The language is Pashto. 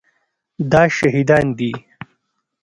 دا شهیدان دي